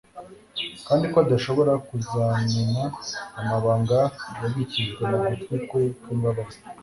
kandi ko adashobora kuzamena amabanga yabikijwe mu gutwi kwe kw'imbabazi.